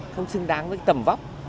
không xứng đáng với tầm vóc